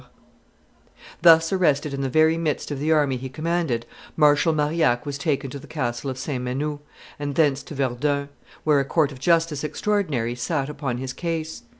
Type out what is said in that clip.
_] Thus arrested in the very midst of the army he commanded, Marshal Marillac was taken to the castle of St. Menehould and thence to Verdun, where a court of justice extraordinary sat upon his case.